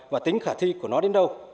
và tính khả thi của nó đến đâu